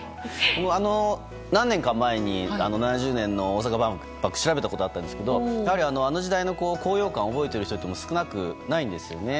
何年か前に７０年の大阪万博を調べたことがあるんですけどやはりあの時代の高揚感を覚えている人というのは少なくないんですよね。